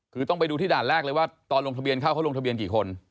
คือต้องไปดูที่ด่านแรกเลยว่าตอนลงทะเบียนเข้าเขาลงทะเบียนกี่คน